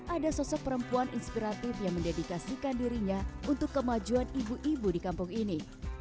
ada sosok perempuan inspiratif yang mendedikasikan dirinya untuk kemajuan ibu ibu di kampung ini